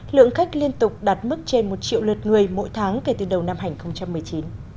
lượng khách liên tục đạt mức trên một triệu lượt người mỗi tháng kể từ đầu năm hai nghìn một mươi chín